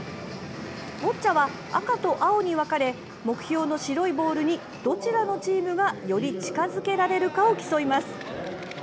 ボッチャは、赤と青に分かれ目標の白いボールにどちらのチームがより近づけられるかを競います。